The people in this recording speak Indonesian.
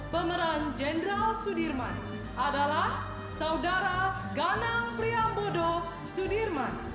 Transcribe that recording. pemeran jenderal sudirman adalah saudara ganang priambodo sudirman